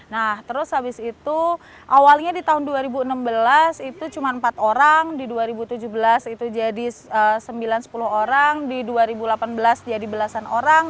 nah terus habis itu awalnya di tahun dua ribu enam belas itu cuma empat orang di dua ribu tujuh belas itu jadi sembilan sepuluh orang di dua ribu delapan belas jadi belasan orang